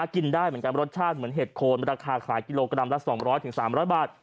กินได้เหมือนการรสชาติเหมือนเห็ดโคลนราคาขายกิโลกรัมละสองร้อยถึงสามร้อยบาท